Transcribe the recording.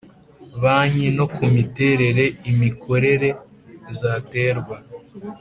banki no ku miterere y imikorere zaterwa